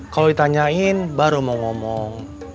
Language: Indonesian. kalau ditanyain baru mau ngomong